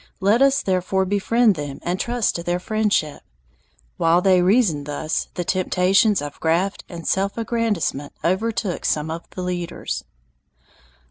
Let us therefore befriend them and trust to their friendship. While they reasoned thus, the temptations of graft and self aggrandizement overtook some of the leaders.